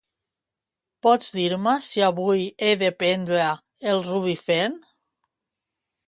Pots dir-me si avui he de prendre el Rubifen?